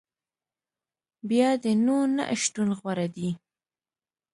بیا دي نو نه شتون غوره دی